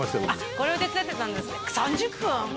僕これを手伝ってたんですか３０分！？